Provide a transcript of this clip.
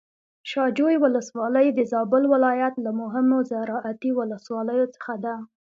شاه جوی ولسوالي د زابل ولايت له مهمو زراعتي ولسواليو څخه ده.